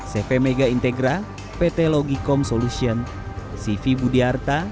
cv mega integra pt logikom solution cv budiarta